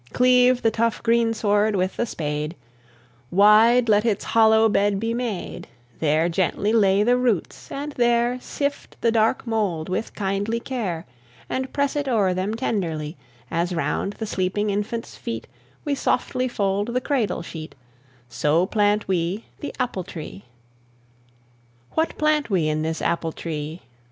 Cleave the tough greensward with the spade; Wide let its hollow bed be made; There gently lay the roots, and there Sift the dark mould with kindly care, And press it o'er them tenderly, As round the sleeping infant's feet We softly fold the cradle sheet; So plant we the apple tree. What plant we in this apple tree?